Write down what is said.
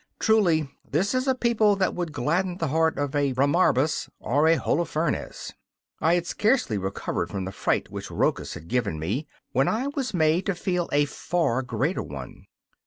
Truly, this is a people that would gladden the heart of a Bramarbas or a Holofernes! I had scarcely recovered from the fright which Rochus had given me, when I was made to feel a far greater one.